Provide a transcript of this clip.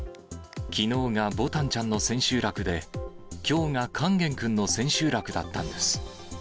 きのうがぼたんちゃんの千秋楽で、きょうが勸玄君の千秋楽だったんです。